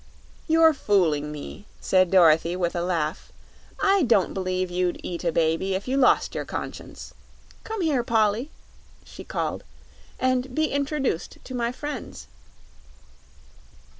"You're fooling me!" said Dorothy, with a laugh. "I don't b'lieve you'd eat a baby if you lost your Conscience. Come here, Polly," she called, "and be introduced to my friends."